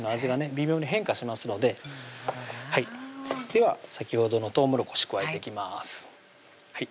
微妙に変化しますのでプロだなでは先ほどのとうもろこし加えていきます